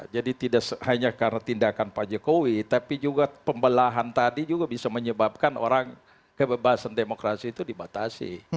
jadi tidak hanya karena tindakan pak jokowi tapi juga pembelahan tadi juga bisa menyebabkan orang kebebasan demokrasi itu dibatasi